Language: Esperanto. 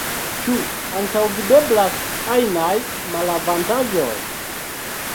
Ĉu antaŭvideblas ajnaj malavantaĝoj?